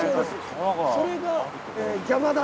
それが。